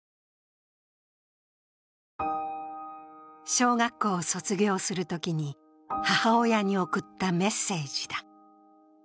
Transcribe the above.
小学校を卒業するときに母親に送ったメッセージだ。